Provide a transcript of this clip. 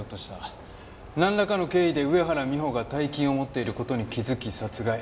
なんらかの経緯で上原美帆が大金を持っている事に気付き殺害。